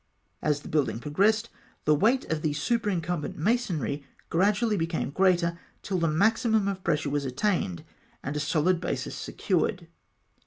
As the building progressed, the weight of the superincumbent masonry gradually became greater, till the maximum of pressure was attained, and a solid basis secured.